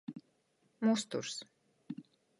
Musturs.